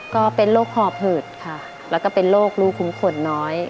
ก็เป็นโรคหอบหืดค่ะแล้วก็เป็นโรคลูกคุ้มขนน้อย